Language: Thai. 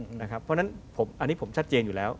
เพราะฉะนั้นอันนี้ผมชัดเจนอยู่แล้ว